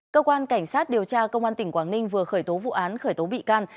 cơ quan cảnh sát điều tra công an tỉnh quảng ninh vừa khởi tố vụ án khởi tố bị can